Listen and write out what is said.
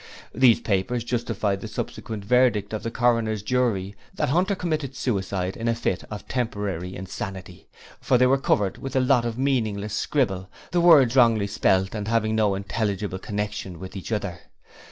These papers justified the subsequent verdict of the Coroner's jury that Hunter committed suicide in a fit of temporary insanity, for they were covered with a lot of meaningless scribbling, the words wrongly spelt and having no intelligible connection with each other.